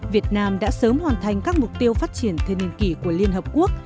việt nam đã sớm hoàn thành các mục tiêu phát triển thiên niên kỷ của liên hợp quốc